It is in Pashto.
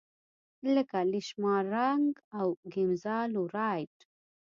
لکه لیشمان رنګ او ګیمزا لو رایټ.